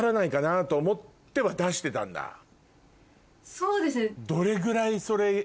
そうですね。